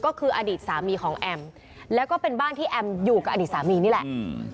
ก็คืออดีตสามีของแอมแล้วก็เป็นบ้านที่แอมอยู่กับอดีตสามีนี่แหละอืม